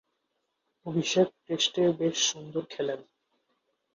অভিষেক টেস্টে বেশ সুন্দর খেলেন।